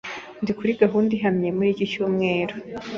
Ndi kuri gahunda ihamye muri iki cyumweru.